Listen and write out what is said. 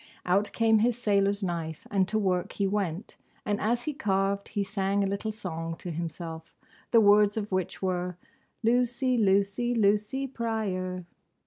Out came his sailor's knife, and to work he went, and as he carved he sang a little song to himself, the words of which were, "Lucy, Lucy, Lucy Pryor."